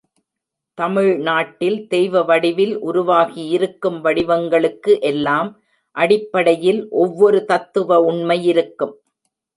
தமிழ் நாட்டில் தெய்வ வடிவில் உருவாகியிருக்கும் வடிவங்களுக்கு எல்லாம் அடிப்படையில் ஒவ்வொரு தத்துவ உண்மையிருக்கும்.